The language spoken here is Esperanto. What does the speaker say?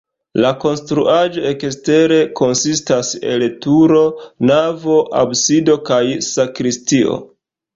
La konstruaĵo ekstere konsistas el turo, navo, absido kaj sakristio.